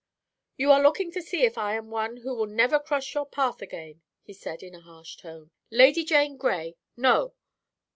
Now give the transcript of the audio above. "'You are looking to see if I am one who will never cross your path again,' he said, in a harsh tone. 'Lady Jane Grey no!